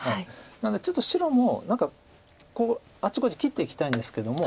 なのでちょっと白も何かあっちこっち切っていきたいんですけども。